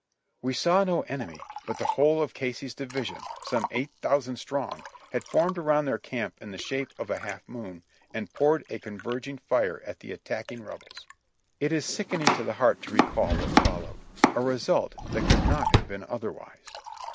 We saw no enemy, but the whole of Casey's division, some eight thousand strong, had formed around their camp in the shape of a half moon, and poured a converging fire at the attack ing Rebels. It is sickening to the heart to recall what followed. A result that could not have been otherwise.